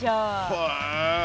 へえ！